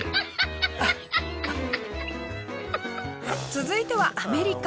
続いてはアメリカ。